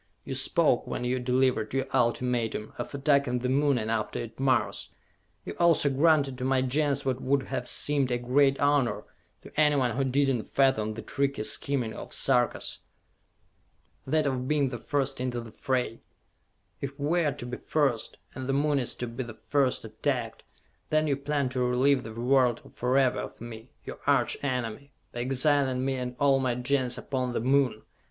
You spoke, when you delivered your ultimatum, of attacking the Moon, and after it Mars! You also granted to my Gens what would have seemed a great honor to anyone who did not fathom the tricky scheming of the Sarkas! that of being the first into the fray! If we are to be first, and the Moon is to be the first attacked, then you plan to relieve the world forever of me, your arch enemy, by exiling me and all my Gens upon the Moon!